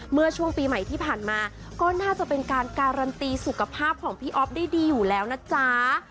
เมื่อช่วงปีใหม่ที่ผ่านมาก็น่าจะเป็นการการันตีสุขภาพของพี่อ๊อฟได้ดีอยู่แล้วนะจ๊ะ